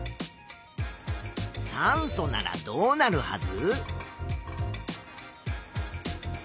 酸素ならどうなるはず？